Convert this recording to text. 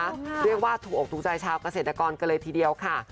เรียกว่าถูกอกถูกใจชาวเกษตรกรกันเลยทีเดียวค่ะ